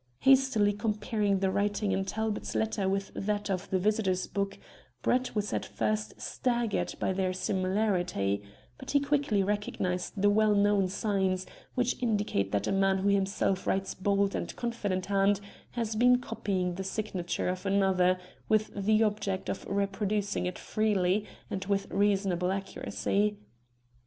Hastily comparing the writing in Talbot's letter with that of the visitors' book, Brett was at first staggered by their similarity, but he quickly recognized the well known signs which indicate that a man who himself writes a bold and confident hand has been copying the signature of another with the object of reproducing it freely and with reasonable accuracy.